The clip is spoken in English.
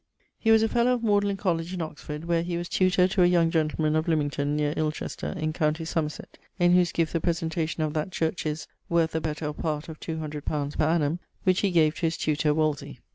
He was a fellowe of Magdalen Colledge in Oxford, where he was tutor to a young gentleman of Limmington, near Ilchester, in com. Somerset, in whose guift the presentation of that church is, worth the better part of 200 li. per annum, which he gave to his tutor, Wolsey.